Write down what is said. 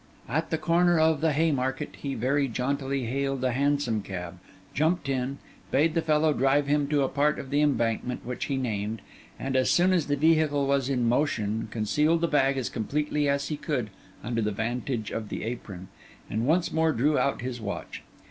At the corner of the Haymarket, he very jauntily hailed a hansom cab; jumped in; bade the fellow drive him to a part of the Embankment, which he named; and as soon as the vehicle was in motion, concealed the bag as completely as he could under the vantage of the apron, and once more drew out his watch.